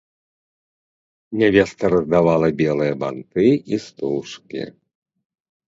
Нявеста раздавала белыя банты і стужкі.